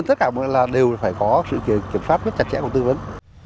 tất cả đều phải có sự kiểm pháp chặt chẽ của tư vấn